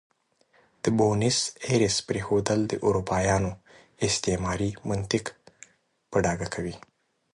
د بونیس ایرس پرېښودل د اروپایانو استعماري منطق په ډاګه کوي.